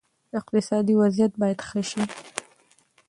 اقتصادي وضعیت باید ښه شي.